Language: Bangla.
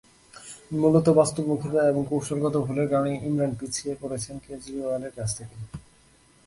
মূলত বাস্তবমুখিতা এবং কৌশলগত ভুলের কারণে ইমরান পিছিয়ে পড়েছেন কেজরিওয়ালের কাছ থেকে।